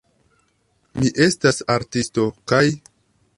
Mi estas artisto, kaj...